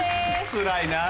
つらいなぁ。